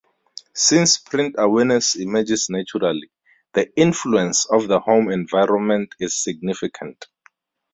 Since print awareness emerges naturally, the influence of the home environment is significant.